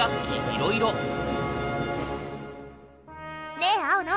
ねえ青野。